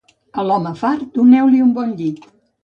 A l'home fart doneu-li un bon llit.